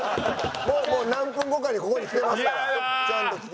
もう何分後かにここにきてますから「ちゃんと聞け」。